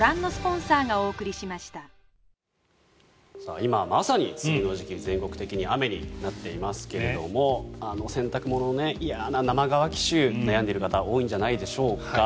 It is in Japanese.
今、まさに梅雨の時期全国的に雨になっていますけど洗濯物の嫌な生乾き臭悩んでいる方多いんじゃないでしょうか。